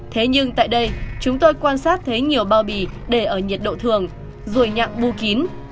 thế nhưng tại đây chúng tôi quan sát thấy nhiều bao bỉ để ở nhiệt độ thường ruồi nhạc bu kín